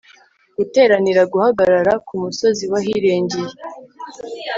guteranira guhagarara kumusozi wahirengereye